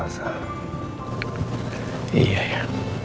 pak pak setuju pak